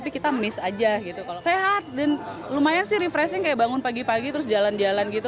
kita miss aja gitu kalau sehat dan lumayan sih refreshing kayak bangun pagi pagi terus jalan jalan gitu